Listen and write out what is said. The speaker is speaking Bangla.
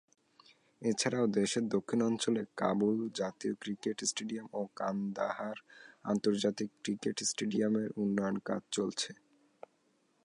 এছাড়াও দেশের দক্ষিণাঞ্চলে কাবুল জাতীয় ক্রিকেট স্টেডিয়াম ও কান্দাহার আন্তর্জাতিক ক্রিকেট স্টেডিয়াম এর উন্নয়ন কাজ চলছে।